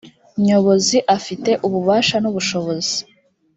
nyobozi afite ububasha n ubushobozi